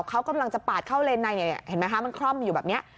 เขากำลังจะปาดเข้าเรนในมันคร่อมอยู่แบบนี้